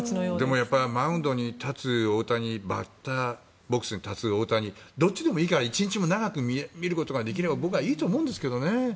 でも、やっぱりマウンドに立つ大谷バッターボックスに立つ大谷どっちでもいいから１日でも長く見ることができれば僕はいいと思うんですけどね。